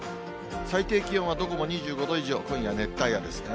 最低気温はどこも２５度以上、今夜、熱帯夜ですね。